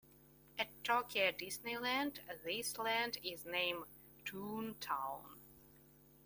At Tokyo Disneyland, this land is named Toontown.